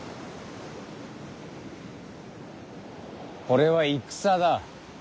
これは戦だ。